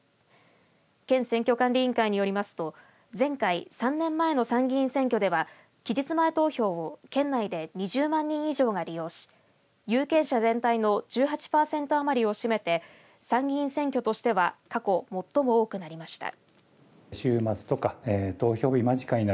県選挙管理委員会によりますと前回、３年前の参議院選挙では期日前投票を県内で２０万人以上が利用し有権者全体の１８％余りを占めて参議院選挙としては過去最も多くなりました。